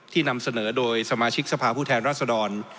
นำเสนอโดยสมาชิกสภาพผู้แทนรัศดร